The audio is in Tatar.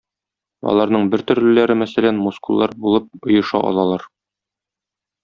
Аларның бертөрлеләре, мәсәлән, мускуллар булып оеша алалар.